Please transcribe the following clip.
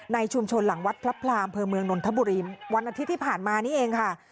ในชุมชนหลังวัดพระพลามเภอเมืองนนทบุรีวันอาทิตย์ที่ผ่านมานี่เองค่ะ